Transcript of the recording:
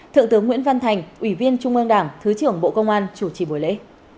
thượng tướng nguyễn văn thành ủy viên trung ương đảng thứ trưởng bộ công an chủ trì buổi lễ